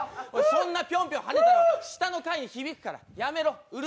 そんなピョンピョンはねたら下の階に響くからやめろ。